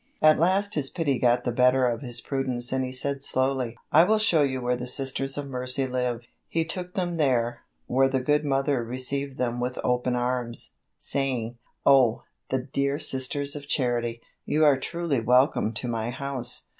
At last his pity got the better of his prudence and he said slowly: "I will show you where the Sisters of Mercy live." He took them there, where the good Mother received them with open arms, saying: "Oh, the dear Sisters of Charity. You are truly welcome to my house."